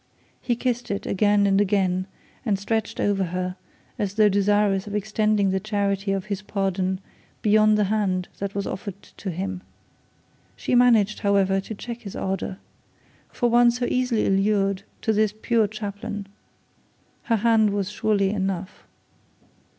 He kissed it again and again, and stretched over her as though desirous of extending the charity of his pardon beyond the hand that was offered to him. She managed, however, to check his ardour. For one so easily allured as this poor chaplain, her hand was surely enough.